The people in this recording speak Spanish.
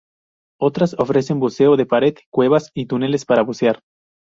Otras ofrecen buceo de pared, cuevas y túneles para bucear.